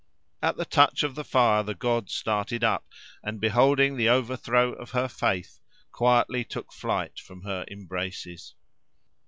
At the touch of the fire the god started up, and beholding the overthrow of her faith, quietly took flight from her embraces.